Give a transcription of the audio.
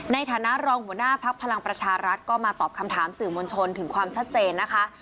ในฐานะรองหัวหน้าพักพลังประชารัฐก็มาตอบคำถามสื่อมวลชนถึงความชัดเจนนะคะ